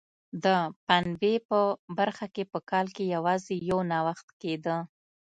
د پنبې په برخه کې په کال کې یوازې یو نوښت کېده.